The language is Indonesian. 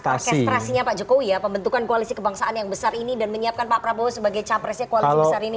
orkestrasinya pak jokowi ya pembentukan koalisi kebangsaan yang besar ini dan menyiapkan pak prabowo sebagai capresnya koalisi besar ini